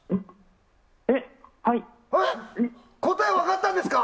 答え分かったんですか？